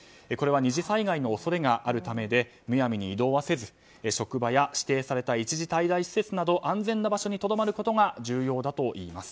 ２次災害の恐れがあるためでむやみに移動はせず、職場や指定された一時滞在施設など安全な場所にとどまることが重要だといいます。